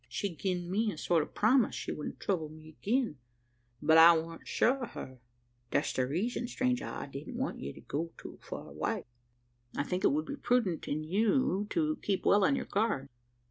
She gin me a sort of promise she wouldn't trouble me agin; but I warn't sure o' her. That's the reezun, stranger, I didn't want ye to go fur away." "I think it would be prudent in you to keep well on your guard.